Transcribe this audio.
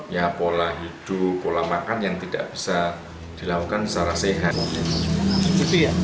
ya pola hidup pola makan yang tidak bisa dilakukan secara sehat